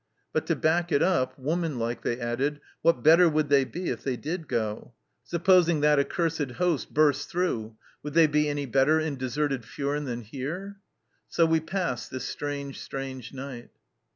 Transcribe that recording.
But to back it up, woman like, they added : what better would they be if they did go ? Supposing that accursed host burst through, would they be any better in deserted Furnes than here ?" So we passed this strange, strange night."